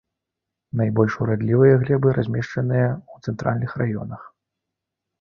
Найбольш урадлівыя глебы размешчаныя ў цэнтральных раёнах.